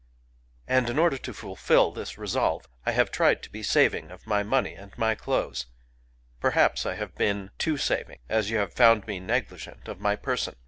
And in order to fulfil this resolve I have tried to be saving of my money and my clothes; — perhaps I have been too saving, as you have found me negligent of my person.